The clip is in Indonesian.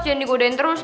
jangan digodain terus